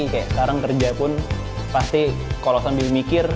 kayak sekarang kerja pun pasti kalau langsung dimikir